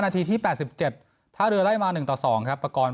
นาทีที่แปดสิบเจ็ดท่าเหลือไล่มาหนึ่งต่อสองครับประกอบ